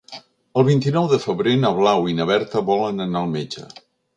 El vint-i-nou de febrer na Blau i na Berta volen anar al metge.